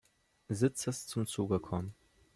Sitzes zum Zuge kommen.